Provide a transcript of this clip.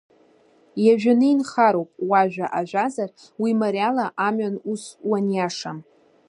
Иажәаны инхароуп уажәа ажәазар, уи мариала амҩан ус уаниашам.